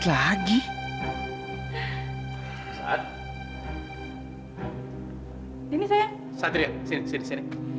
delapan tahun ke practi